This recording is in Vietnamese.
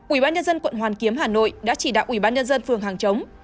ủy ban nhân dân quận hoàn kiếm hà nội đã chỉ đạo ủy ban nhân dân phường hàng chống